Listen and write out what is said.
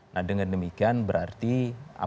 nah dengan demikian berarti apa yang dilakukan